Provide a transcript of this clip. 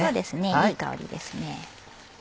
いい香りですね。